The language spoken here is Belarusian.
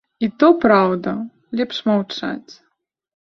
І то праўда, лепш маўчаць.